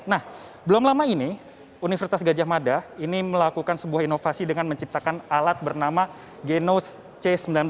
nah belum lama ini universitas gajah mada ini melakukan sebuah inovasi dengan menciptakan alat bernama genos c sembilan belas